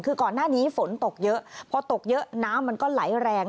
คือก่อนหน้านี้ฝนตกเยอะพอตกเยอะน้ำมันก็ไหลแรง